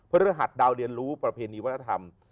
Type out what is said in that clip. ฤหัสดาวเรียนรู้ประเพณีวัฒนธรรม